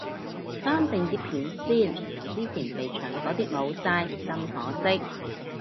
單定啲片先，之前肥祥嗰啲冇晒，真可惜。